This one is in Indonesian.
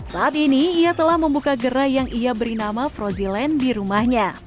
saat ini ia telah membuka gerai yang ia beri nama frozilen di rumahnya